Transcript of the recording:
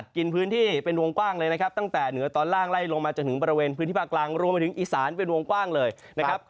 เดี๋ยวนะครับวันนี้วันที่เท่าไหร่นะคะ